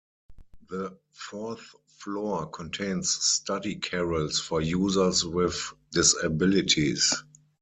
The fourth floor contains study carrels for users with disabilities.